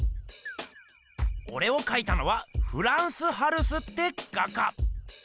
オレをかいたのはフランス・ハルスって画家。